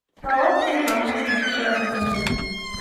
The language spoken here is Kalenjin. mawo sukul amu kotingdoi chito ne myoni.